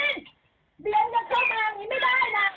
เบียงจะเข้ามาอันนี้ไม่ได้นะ